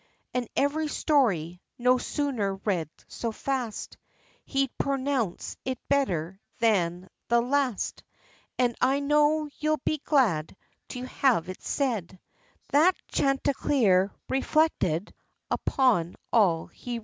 And every story, no sooner read so fast, He'd pronounce it better than the last; And I know you'll be glad to have it said, That Chanticleer reflected upon all he read.